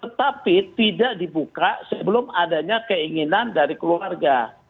tetapi tidak dibuka sebelum adanya keinginan dari keluarga